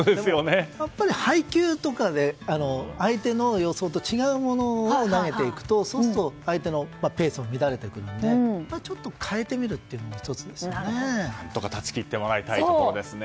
配球とかで相手の予想と違うものを投げていくとそうすると相手のペースも乱れてくるのでちょっと変えてみるっていうのも何とか断ち切ってもらいたいところです。